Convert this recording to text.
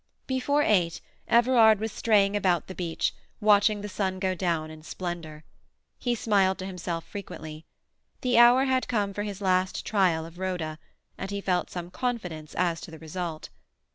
Before eight Everard was straying about the beach, watching the sun go down in splendour. He smiled to himself frequently. The hour had come for his last trial of Rhoda, and he felt some confidence as to the result.